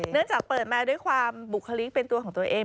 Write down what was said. จากเปิดมาด้วยความบุคลิกเป็นตัวของตัวเอง